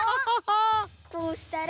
こうしたら。